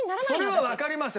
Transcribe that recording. それはわかりますよ。